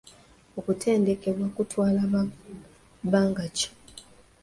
Okutendekebwa kutwala bbanga ki?